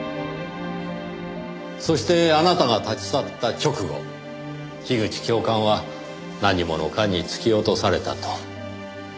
そしてあなたが立ち去った直後樋口教官は何者かに突き落とされたと。